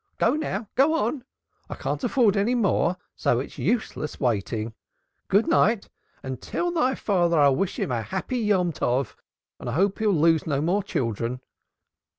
Go now! Go on! I can't afford any more, so it's useless waiting. Good night, and tell thy father I wish him a happy Yontov, and I hope he'll lose no more children."